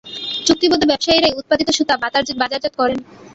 চুক্তিবদ্ধ ব্যবসায়ীরাই উৎপাদিত সুতা বাজারজাত করেন।